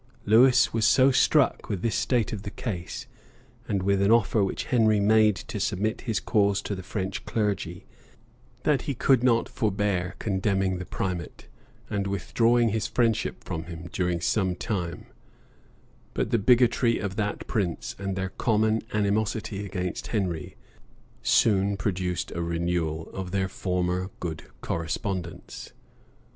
Lewis was so struck with this state of the case, and with an offer which Henry made to submit his cause to the French clergy, that he could not forbear condemning the primate, and withdrawing his friendship from him during some time; but the bigotry of that prince, and their common animosity against Henry, soon produced a renewal of their former good correspondence.